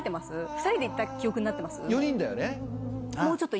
２人で行った記憶になってます？